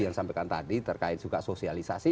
yang sampaikan tadi terkait juga sosialisasi